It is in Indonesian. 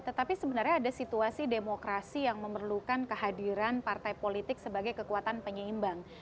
tetapi sebenarnya ada situasi demokrasi yang memerlukan kehadiran partai politik sebagai kekuatan penyeimbang